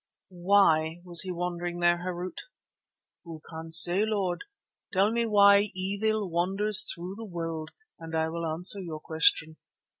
"Why was he wandering there, Harût?" "Who can say, Lord? Tell me why evil wanders through the world and I will answer your question.